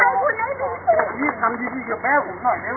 ขอบคุณที่ทำดีดีกับแม่ของฉันหน่อยครับ